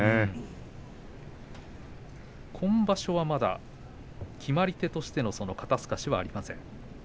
今場所はまだ決まり手としての肩すかしはありません。